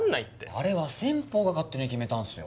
あれは先方が勝手に決めたんすよ。